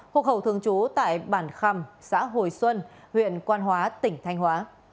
học hậu thường trú tại bản khăm xã hồi xuân huyện quan hóa tỉnh thanh hóa